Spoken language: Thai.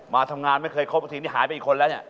มาทำงานไม่เคยครบสิ่งที่หายไปอีกคนแล้วเนี่ย